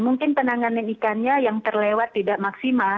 mungkin penanganan ikannya yang terlewat tidak maksimal